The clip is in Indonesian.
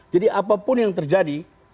jadi apapun yang terjadi